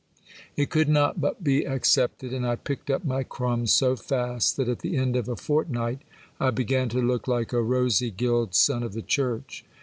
It could not but be accepted ; and I picked up my crumbs so fast that at the end of a fortnight I began to look like a rosy gilled son of the church.